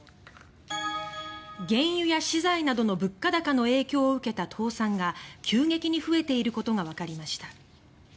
原油や資材などの物価高の影響を受けた倒産が急激に増えていることがわかりました。